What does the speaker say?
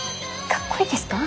かっこいいですか？